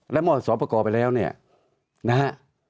และมอบสวัสดิ์ประกอบไปแล้วเนี่ยนะฮะ